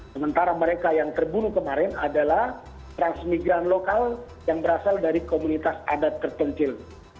sementara mereka yang terbunuh kemarin adalah transmigran lokal yang berasal dari komunitas adat terpencil